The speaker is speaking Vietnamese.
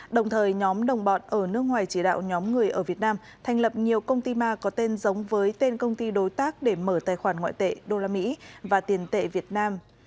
đồng thời nhóm đồng bọn ở nước ngoài chỉ đạo nhóm người ở việt nam thành lập nhiều công ty ma có tên giống với tên công ty đối tác để mở tài khoản ngoại tệ đô la mỹ và tiền tệ việt nam